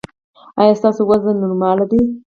ایا ستاسو وزن نورمال دی؟